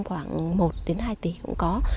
khoảng một hai tỷ cũng có